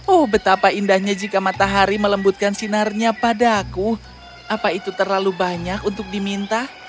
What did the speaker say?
oh betapa indahnya jika matahari melembutkan sinarnya padaku apa itu terlalu banyak untuk diminta